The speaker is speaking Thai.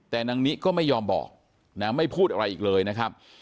แต่นางนิก็ไม่ยอมบอกนะไม่พูดอะไรอีกเลยนะครับ